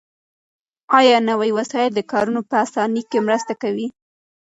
آیا نوي وسایل د کارونو په اسانۍ کې مرسته کوي؟